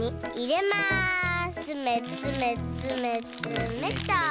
つめつめつめつめっと。